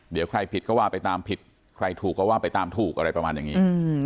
เดี๋ยวใครผิดก็ว่าไปตามผิดใครถูกก็ว่าไปตามถูกอะไรประมาณอย่างนี้